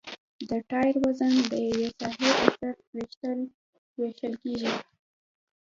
د ټایر وزن د یوې ساحې په سر ویشل کیږي